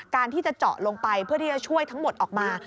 ที่จะเจาะลงไปเพื่อที่จะช่วยทั้งหมดออกมา